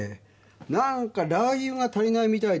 なんかラー油が足りないみたいです。